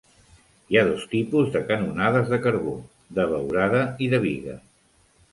Hi ha dos tipus de canonades de carbó, de beurada i de bigues.